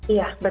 iya betul mbak